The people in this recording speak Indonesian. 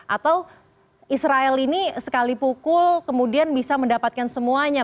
atau israel ini sekali pukul kemudian bisa mendapatkan semuanya